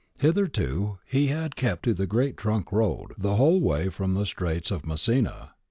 Hitherto he had kept to the great trunk road the whole way from the Straits of Messina.